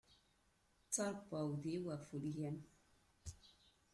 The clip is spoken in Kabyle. Ttaṛ uɛudiw ɣef ulgam.